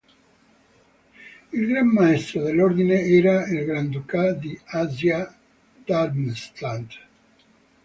Il gran maestro dell'ordine era il granduca di Assia-Darmstadt.